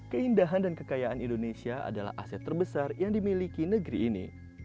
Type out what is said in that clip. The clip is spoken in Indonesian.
keindahan dan kekayaan indonesia adalah aset terbesar yang dimiliki negeri ini